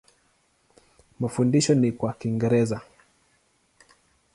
Mafundisho ni kwa Kiingereza.